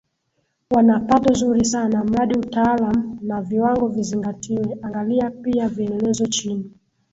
wana pato zuri sana mradi utaalaam na viwango vizingatiwe Angalia pia vielelezo chini